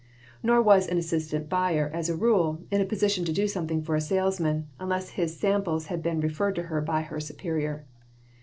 Nor was an assistant buyer, as a rule, in a position to do something for a salesman unless his samples had been referred to her by her superior.